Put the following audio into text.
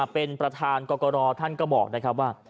เป็นประธานกรกรท่านก็บอกว่า